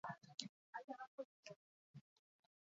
Patinaje sailak Europa eta munduko zenbait txapeldunak izan ditu.